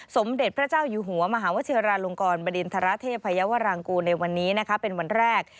สมเด็จพระเจ้าอยู่หัวมหาวชิราลงกรบดินทรเทพยาวรางกูลในวันนี้นะคะเป็นวันแรก